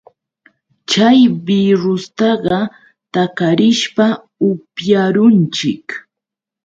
Chay birrustaqa takarishpa upyarunchik.